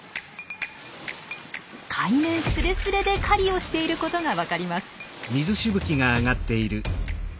海面すれすれで狩りをしていることが分かります。